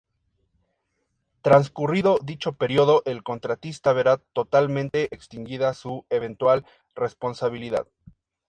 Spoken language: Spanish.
Transcurrido dicho periodo, el contratista verá totalmente extinguida su eventual responsabilidad.